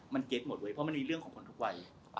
มันเก็ตหมดเว้เพราะมันมีเรื่องของคนทุกวัย